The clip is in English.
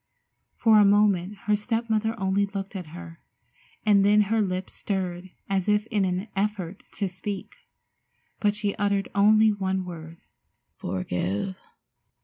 For a moment her step mother only looked at her, and then her lips stirred as if in an effort to speak, but she uttered only one word, "Forgive?"